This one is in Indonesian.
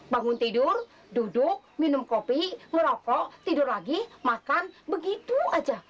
bangun tidur duduk minum kopi merokok tidur lagi makan begitu aja